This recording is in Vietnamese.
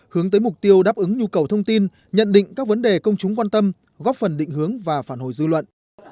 hướng tới mục tiêu đáp ứng nhu cầu thông tin nhận định các vấn đề công chúng quan tâm góp phần định hướng và phản hồi dư luận